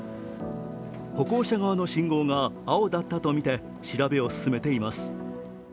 歩行者側の信号が青だったとみて調べを進めています。